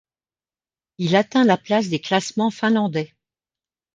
Il atteint la place des classements finlandais.